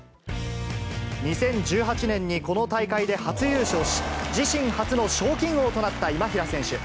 ２０１８年に、この大会で初優勝し、自身初の賞金王となった今平選手。